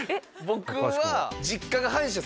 僕は。